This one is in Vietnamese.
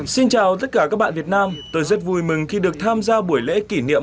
xin chào tất cả các bạn việt nam tôi rất vui mừng khi được tham gia buổi lễ kỷ niệm